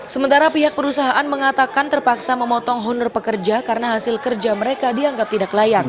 sementara pihak perusahaan mengatakan terpaksa memotong honor pekerja karena hasil kerja mereka dianggap tidak layak